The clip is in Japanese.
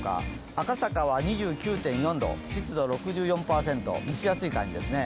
赤坂は２９．４度、湿度６４％蒸し暑い感じですね。